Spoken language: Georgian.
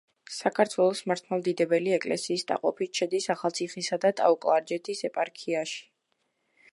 საქართველოს მართლმადიდებელი ეკლესიის დაყოფით შედის ახალციხისა და ტაო-კლარჯეთის ეპარქიაში.